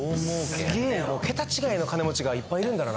すげえな桁違いの金持ちがいっぱいいるんだろうな